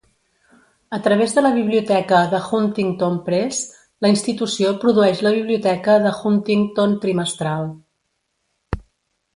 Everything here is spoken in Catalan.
A través de la biblioteca de Huntington Press, la institució produeix la biblioteca de Huntington trimestral.